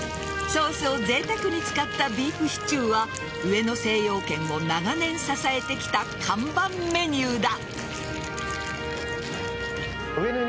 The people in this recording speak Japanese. ソースを贅沢に使ったビーフシチューは上野精養軒を長年支えてきた看板メニューだ。